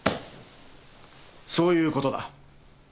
そういうことだ。